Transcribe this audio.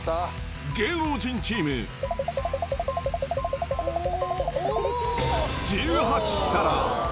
芸能人チーム１８皿。